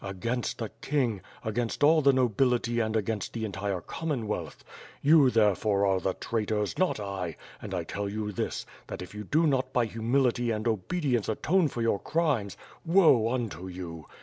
Against the kinsr, against all the nobility and against the entire Commonwealth! You, there fore, are the traitors, not I, nnd T tell you this, that if you do not by humility and oborlirnco atone for your crimes, woe unto you!